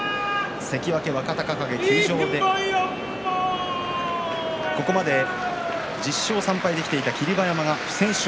関脇若隆景、休場でここまで１０勝３敗できていた霧馬山が不戦勝。